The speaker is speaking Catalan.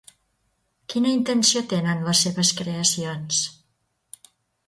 Quina intenció tenen les seves creacions?